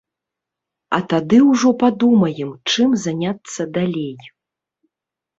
А тады ўжо падумаем, чым заняцца далей.